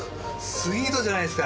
スイートじゃないですか！